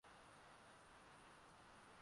Aliiba kazi ya mwalimu